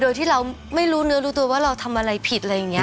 โดยที่เราไม่รู้เนื้อรู้ตัวว่าเราทำอะไรผิดอะไรอย่างนี้